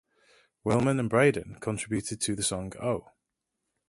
Willman and Braeden contributed to the song Oh!